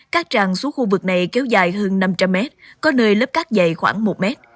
cát tràn xuống khu vực này kéo dài hơn năm trăm linh mét có nơi lớp cát dày khoảng một mét